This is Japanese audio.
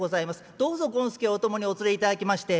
どうぞ権助をお供にお連れいただきまして」。